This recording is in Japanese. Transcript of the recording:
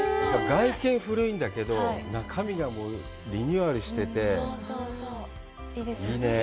外見古いんだけど、中身がリニューアルしてて、いいねぇ。